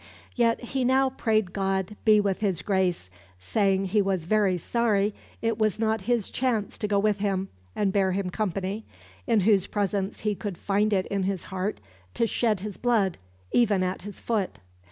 Yet he now prayed God be with his Grace, saying he was very sorry it was not his chance to go with him and bear him company, in whose presence he could find it in his heart to shed his blood, even at his foot.